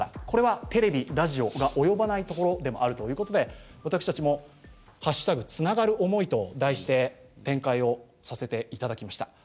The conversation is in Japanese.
これはテレビラジオが及ばないところでもあるということで私たちもハッシュタグつながるおもいと題して展開をさせて頂きました。